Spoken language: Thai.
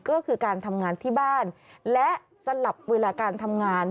ก็คือการทำงานที่บ้านและสลับเวลาการทำงาน